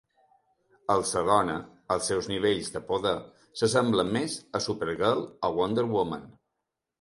Al ser dona, els seus nivells de poder s'assemblen més a Supergirl i Wonder Woman.